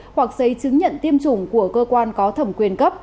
hoặc giấy chứng nhận tiêm chủng của cơ quan có thẩm quyền cấp